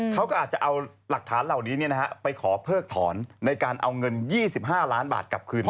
เขาก็อาจจะเอาหลักฐานเหล่านี้ไปขอเพิกถอนในการเอาเงิน๒๕ล้านบาทกลับคืน